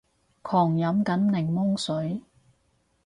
狂飲緊檸檬水